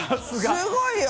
すごいよ。